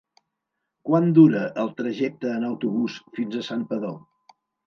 Quant dura el trajecte en autobús fins a Santpedor?